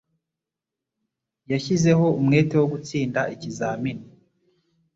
Yashyizeho umwete wo gutsinda ikizamini.